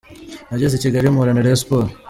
Nageze i Kigali mpura na Rayon Sports.